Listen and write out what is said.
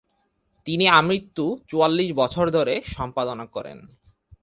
তিনি আমৃত্যু চুয়াল্লিশ বছর ধরে সম্পাদনা করেন ।